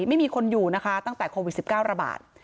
ไม่มีคนอยู่นะคะตั้งแต่โควิด๑๙ระบาด